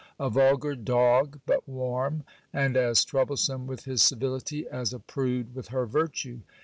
A vulgar dog, but warm ; and as troublesome with his civility as a prude with her virtue.